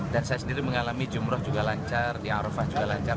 dan saya sendiri mengalami jum'rah juga lancar di arafah juga lancar